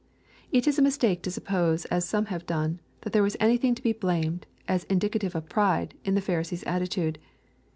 It is a mistake to suppose, as some have done, that there was anything to be blamed, as indicative of pride, in the Pharisee's attitude.